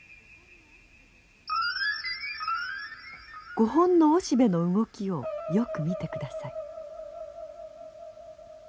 ５本のオシベの動きをよく見てください。